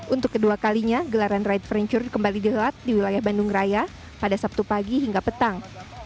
untuk kedua kalinya gelaran ride franchure kembali dihelat di wilayah bandung raya pada sabtu pagi hingga petang